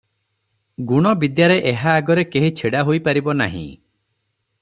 ଗୁଣବିଦ୍ୟାରେ ଏହା ଆଗରେ କେହି ଛିଡ଼ାହୋଇପାରିବ ନାହିଁ ।